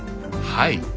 はい。